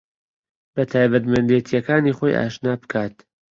بە تایبەتمەندێتییەکانی خۆی ئاشنا بکات